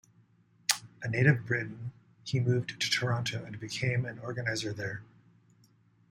A native of Britain, he moved to Toronto and became an organizer there.